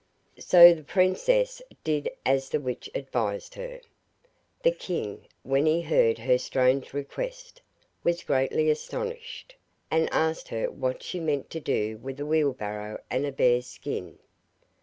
So the princess did as the witch advised her. The king, when he heard her strange request, was greatly astonished, and asked her what she meant to do with a wheel barrow and a bear's skin.